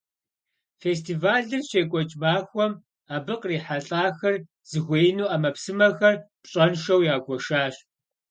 Фестивалыр щекӀуэкӀ махуэм, абы кърихьэлӀахэр зыхуеину Ӏэмэпсымэхэр пщӀэншэу ягуэшащ.